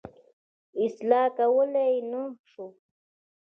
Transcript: اصلاح کولای یې نه شو.